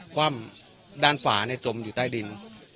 ความด้านฝาจมอยู่ใต้ดิน